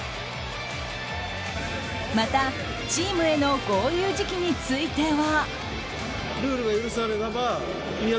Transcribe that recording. またチームへの合流時期については。